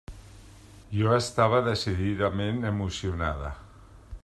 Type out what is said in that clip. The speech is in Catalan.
Jo estava decididament emocionada.